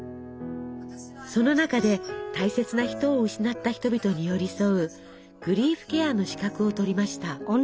その中で大切な人を失った人々に寄り添うグリーフケアの資格をとりました。